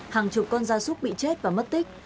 hàng chục con gia súc bị chết và mất tích